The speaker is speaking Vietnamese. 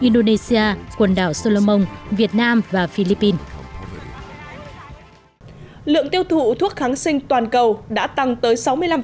indonesia quần đảo solomon việt nam và philippines lượng tiêu thụ thuốc kháng sinh toàn cầu đã tăng tới sáu mươi năm